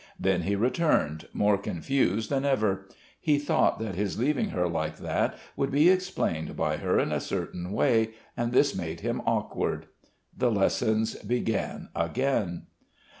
Then he returned, more confused than ever; he thought that his leaving her like that would be explained by her in a certain way and this made him awkward. The lessons began again.